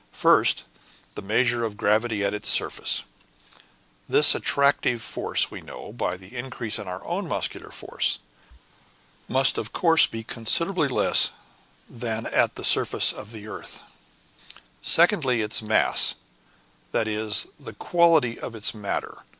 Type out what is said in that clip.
First, the measure of gravity at its surface; this attractive force we know, by the increase of our own muscular force, must of course be considerably less than that at the surface of the earth. Secondly, its mass, that is, the quality of its matter.